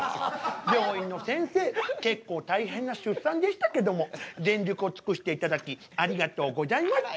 病院のせんせい結構大変な出産でしたけども全力を尽くしていただきありがとうございました。